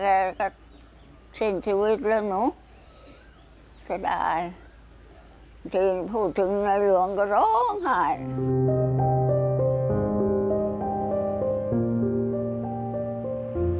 บางทีพูดถึงนายหลวงก็ร้องหาย